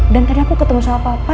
dan karena aku ketemu sama papa